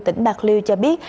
tỉnh bạc liêu cho biết